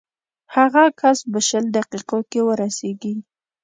هغه کس به شل دقیقو کې ورسېږي.